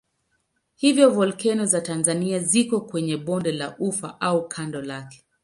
Hivyo volkeno za Tanzania ziko kwenye bonde la Ufa au kando lake.